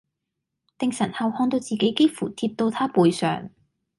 定神後看到自己幾乎貼到他背上